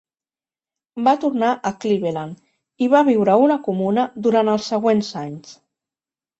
Va tornar a Cleveland i va viure a una comuna durant els següents anys.